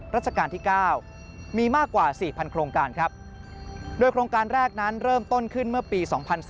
ราชการที่๙มีมากกว่า๔๐๐โครงการครับโดยโครงการแรกนั้นเริ่มต้นขึ้นเมื่อปี๒๔๙